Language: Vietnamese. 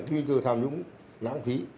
tư tư tham nhũng lãng phí